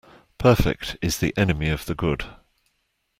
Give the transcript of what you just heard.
Perfect is the enemy of the good.